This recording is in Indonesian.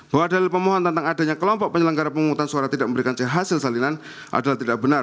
bahwa dalil pemohon tentang adanya kelompok penyelenggara pemungutan suara tidak memberikan hasil salinan adalah tidak benar